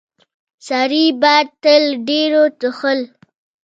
سړي به تر ډيرو ټوخل.